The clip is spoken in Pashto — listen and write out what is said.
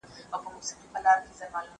سرې لا څه ته وا د وینو فوارې سوې